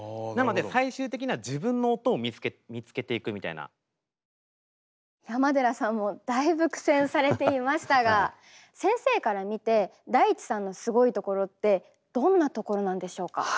なので山寺さんもだいぶ苦戦されていましたが先生から見てＤａｉｃｈｉさんのすごいところってどんなところなんでしょうか？